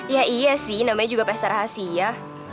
ya iya sih namanya juga pesta rahasia